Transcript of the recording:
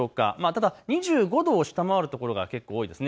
ただ２５度を下回る所が多いです。